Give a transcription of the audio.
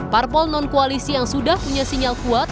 parpol non koalisi yang sudah punya sinyal kuat